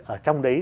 ở trong đấy